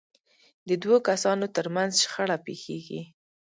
د دوو کسانو ترمنځ شخړه پېښېږي.